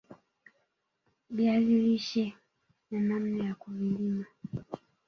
viazi lishe na namna ya kuvilima